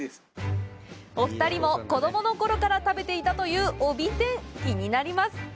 お２人も子供のころから食べていたというおび天、気になります！